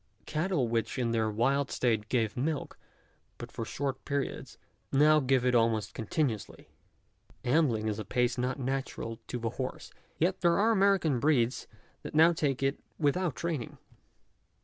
Cattle which in their wild state gave milk but for short periods, now give it almost continuously. Ambling is a pace not natural to the horse; yet there are American breeds that now take to it without training.